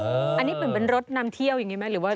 อันนี้เป็นรถนำเที่ยวอย่างงี้ไหม